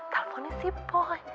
teleponnya si boy